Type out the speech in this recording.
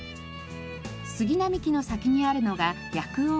杉並木の先にあるのが薬王院。